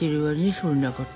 そんなこと。